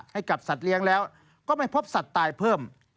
ให้กับสัตว์เลี้ยงแล้วก็ไม่พบสัตว์ตายเพิ่ม